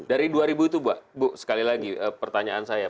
dari dua ribu itu bu sekali lagi pertanyaan saya